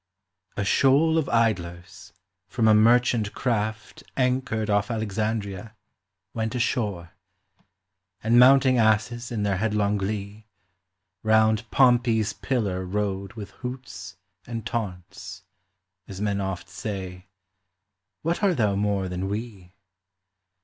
A shoal of idlers, from a merchant craft Anchored off Alexandria, went ashore, LIFE. 265 And mounting asses in their headlong glee, Round Pompey's Pillar rode with hoots and taunts, As men oft say, " What art thou more than we